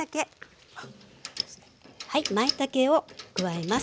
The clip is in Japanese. まいたけを加えます。